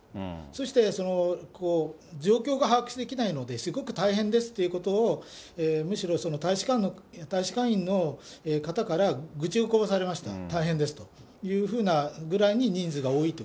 そして状況が把握できないのですごく大変ですということを、むしろ大使館員の方から愚痴をこぼされました、大変ですというふうに人数が多いと。